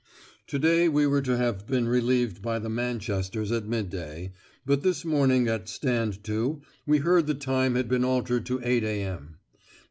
To day we were to have been relieved by the Manchesters at midday, but this morning at 'stand to' we heard the time had been altered to 8.0 a.m.